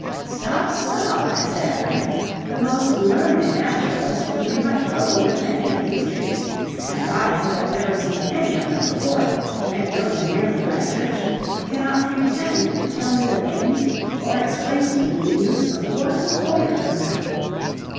"Stop, stop," I said at length; "the most learned naturalist would be much puzzled with many of these trees, and I who have never seen any of them before, and know them merely by description, cannot pretend to tell you the names, or explain to you the use of one quarter of them."